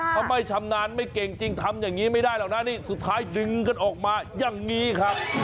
ถ้าไม่ชำนาญไม่เก่งจริงทำอย่างนี้ไม่ได้หรอกนะนี่สุดท้ายดึงกันออกมาอย่างนี้ครับ